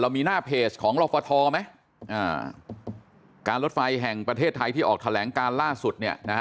มีหน้าเพจของรฟทมั้ยการลดไฟแห่งประเทศไทยที่ออกแถลงการล่าสุด